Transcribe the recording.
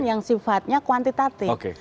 yang sifatnya kuantitatif